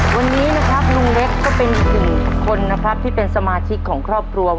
วันนี้นะครับลุงเล็กก็เป็นอีกหนึ่งคนนะครับที่เป็นสมาชิกของครอบครัว